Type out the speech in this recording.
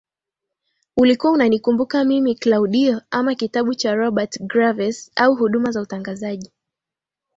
Ulikuwa unanikumbuka Mimi Klaudio ama kitabu cha Robert Graves au huduma za utangazaji